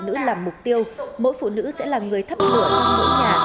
phụ nữ làm mục tiêu mỗi phụ nữ sẽ là người thắp lửa trong mỗi nhà